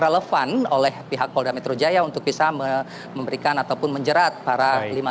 relevan oleh pihak polda metro jaya untuk bisa memberikan ataupun menjerat para lima